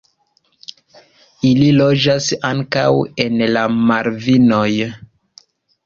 Ili loĝas ankaŭ en la Malvinoj.